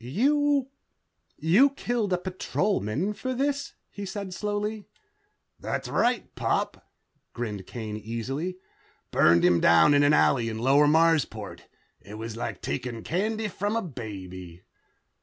"You ... you killed a Patrolman for this," he said slowly. "That's right, Pop," grinned Kane easily. "Burned him down in an alley in Lower Marsport. It was like taking candy from a baby...."